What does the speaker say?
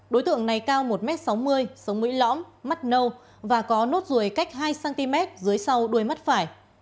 đối tượng này cao một m sáu mươi sống mũi lõm mắt nâu và có nốt ruồi cách hai cm dưới sau đuôi mắt phải